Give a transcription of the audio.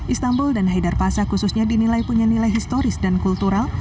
istanbul dan haidar pasa khususnya dinilai punya nilai historis dan kultural